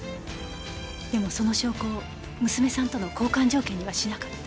でもその証拠を娘さんとの交換条件にはしなかった。